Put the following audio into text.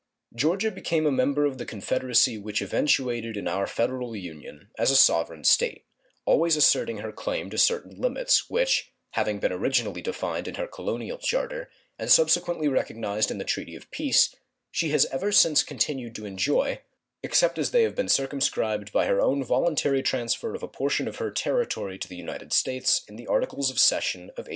Georgia became a member of the Confederacy which eventuated in our Federal Union as a sovereign State, always asserting her claim to certain limits, which, having been originally defined in her colonial charter and subsequently recognized in the treaty of peace, she has ever since continued to enjoy, except as they have been circumscribed by her own voluntary transfer of a portion of her territory to the United States in the articles of cession of 1802.